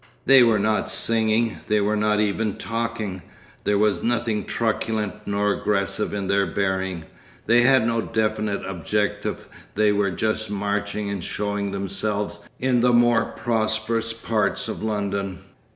They were not singing, they were not even talking, there was nothing truculent nor aggressive in their bearing, they had no definite objective they were just marching and showing themselves in the more prosperous parts of London.